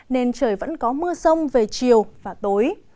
nên trời vẫn có mưa rông về chiều và tối